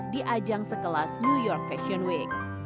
di ajang sekelas new york fashion week